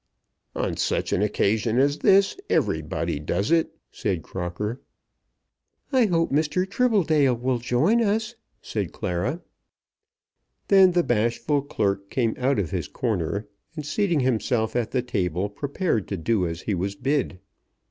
"On such an occasion as this everybody does it," said Crocker. "I hope Mr. Tribbledale will join us," said Clara. Then the bashful clerk came out of his corner, and seating himself at the table prepared to do as he was bid.